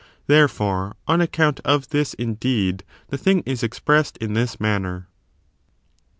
Therefore, on account of this, indeed, the thing is expressed in this manner.